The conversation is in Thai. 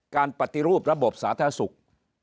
การปฏิรูประบบสาธาศุกร์